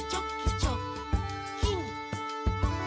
チョッキン！」